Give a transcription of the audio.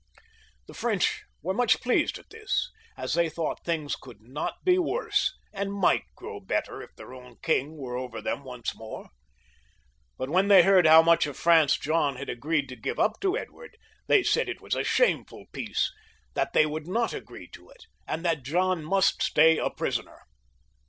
The French were much pleased^ at this, as they thought things could not be worse, and might grow better if their own king were over them once more; but when they heard how much of France John had agreed to give up to Edward, they said it was a shameful peace, that they would not agree to it, and that John must stay a prisoner.